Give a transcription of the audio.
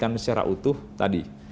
secara utuh tadi